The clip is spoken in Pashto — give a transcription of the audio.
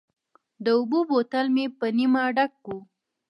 د اوبو بوتل مې په نیمه ډک و.